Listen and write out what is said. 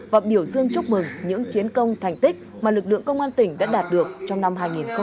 và biểu dương chúc mừng những chiến công thành tích mà lực lượng công an tỉnh đã đạt được trong năm hai nghìn hai mươi ba